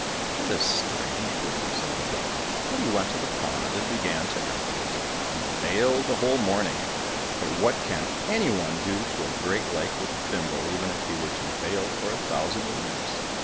"That is strange work," said the drummer, but he went to the pond, and began to empty it. He baled the whole morning; but what can any one do to a great lake with a thimble, even if he were to bale for a thousand years?